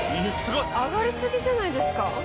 上がり過ぎじゃないですか？